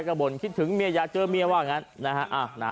เกือบนคิดถึงเมียอยากเจอเมียว่างั้น